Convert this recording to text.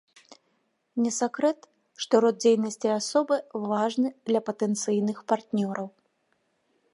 Не сакрэт, што род дзейнасці асобы важны для патэнцыйных партнёраў.